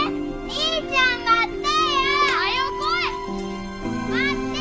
兄ちゃん待って！